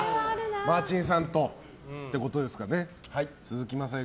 マーチンさんとということですかね。